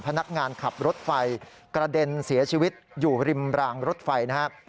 พนักงานขับรถไฟกระเด็นเสียชีวิตอยู่ริมรางรถไฟนะครับ